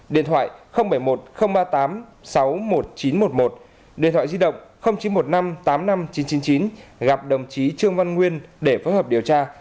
điện thoại bảy mươi một ba mươi tám sáu mươi một nghìn chín trăm một mươi một điện thoại di động chín trăm một mươi năm tám mươi năm nghìn chín trăm chín mươi chín gặp đồng chí trương văn nguyên để phối hợp điều tra